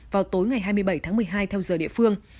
vào tối ngày hai mươi bảy tháng một mươi hai theo giờ địa phương